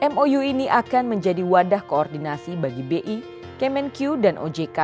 mou ini akan menjadi wadah koordinasi bagi bi kemenq dan ojk